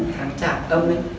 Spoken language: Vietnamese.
tháng trạm âm ấy